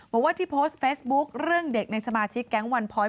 บอกว่าที่โพสต์เฟซบุ๊คเรื่องเด็กในสมาชิกแก๊งวันพ้อย